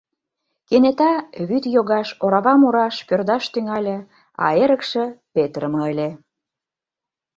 кенета вӱд йогаш, орава мураш, пӧрдаш тӱҥале, а эрыкше петырыме ыле.